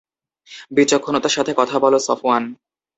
বিচক্ষণতার সাথে কথা বল সফওয়ান।